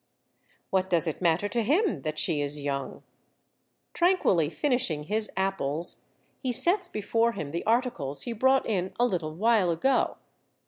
What does it matter to him that she is young? Tranquilly finishing his apples, he sets before him the articles he brought in a little while ago.